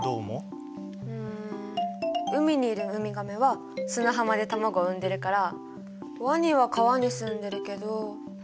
うん海にいるウミガメは砂浜で卵を産んでるからワニは川にすんでるけど○？